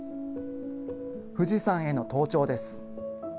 富士山への登頂です。